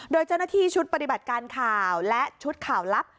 โดยเจ้าหน้าที่ชุดปฏิบัติการข่าวและชุดข่าวลับ